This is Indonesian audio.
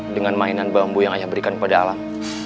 dengan mainan bambu yang ayah berikan kepada alam